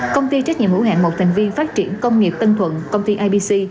công ty trách nhiệm hữu hạng một thành viên phát triển công nghiệp tân thuận công ty ibc